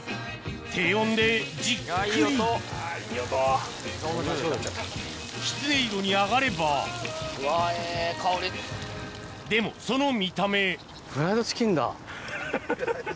低温でじっくりきつね色に揚がればでもその見た目ハハハハ。